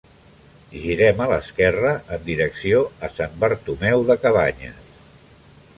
Girem a l'esquerra, en direcció a Sant Bartomeu de Cabanyes.